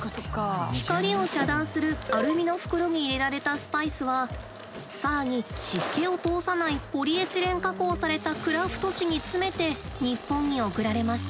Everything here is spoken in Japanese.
光を遮断するアルミの袋に入れられたスパイスは更に湿気を通さないポリエチレン加工されたクラフト紙に詰めて日本に送られます。